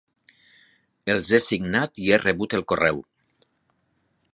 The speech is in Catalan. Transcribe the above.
Els he signat i he rebut el correu.